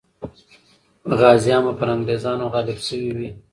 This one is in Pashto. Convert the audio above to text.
غازیان به پر انګریزانو غالب سوي وي.